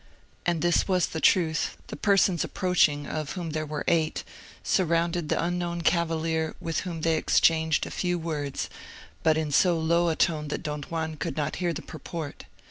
And this was the truth; the persons approaching, of whom there were eight, surrounded the unknown cavalier, with whom they exchanged a few words, but in so low a tone that Don Juan could not hear the purport.